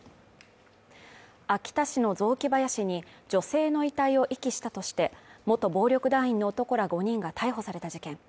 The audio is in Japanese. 秋田市の雑木林に女性の遺体を遺棄したとして元暴力団員の男ら５人が逮捕された事件。